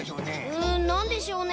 うんなんでしょうね？